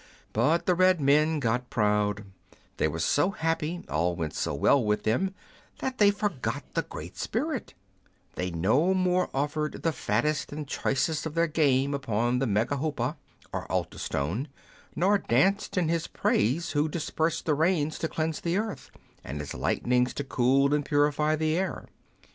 But the red men got proud ; they were so happy, all went so well with them, that they forgot the Great Spirit They no more offered the fattest and choicest of their game upon the memahoppa, or altar stone, nor danced in his praise who dispersed the rains to cleanse the earth, and his lightnings to cool and purify the air.